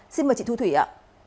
xin mời chị thu thủy ạ